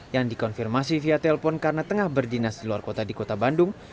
yang dikonfirmasi via telpon karena tengah berdinas di luar kota di kota bandung